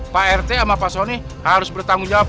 pak rt sama pak soni harus bertanggung jawab